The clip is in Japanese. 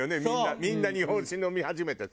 みんな日本酒飲み始めてさ。